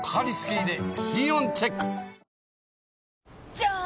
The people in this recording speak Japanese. じゃーん！